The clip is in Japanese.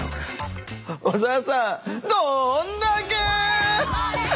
小沢さんどんだけ！